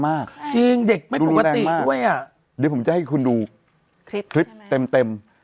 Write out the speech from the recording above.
มากจริงเด็กไม่ปกติด้วยอะดิผมจะให้คุณดูคลิปเต็ม